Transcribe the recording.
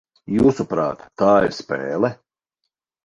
Jūsuprāt, tā ir spēle?